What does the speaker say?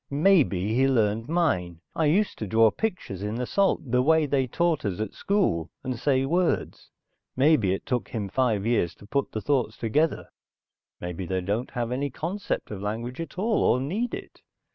"Maybe he learned mine. I used to draw pictures in the salt, the way they taught us at school, and say words. Maybe it took him five years to put the thoughts together, maybe they don't have any concept of language at all, or need it.